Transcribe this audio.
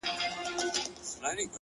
مخ ته مي لاس راوړه چي ومي نه خوري؛